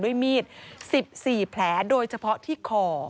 มีด๑๔แผลโดยเฉพาะที่คอ